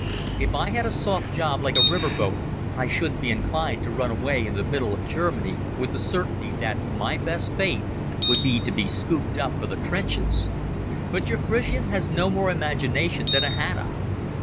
If I had a soft job like a river boat I shouldn't be inclined to run away in the middle of Germany with the certainty that my best fate would be to be scooped up for the trenches, but your Frisian has no more imagination than a haddock.